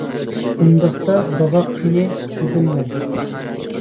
— ئۇنداقتا باغاق قېنى؟ — دېدىم مەن.